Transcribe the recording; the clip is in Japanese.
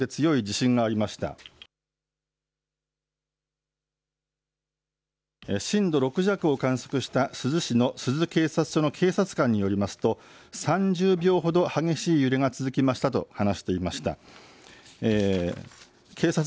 震度６弱を観測した珠洲市の珠洲警察署の警察官によりますと３０秒ほど激しい揺れが続きましたと話していました。